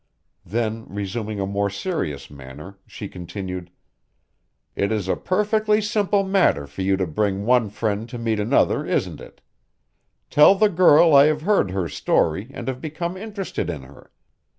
Then, resuming a more serious manner, she continued: "It is a perfectly simple matter for you to bring one friend to meet another, isn't it? Tell the girl I have heard her story and have become interested in her.